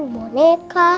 pake moneka pokoknya seru deh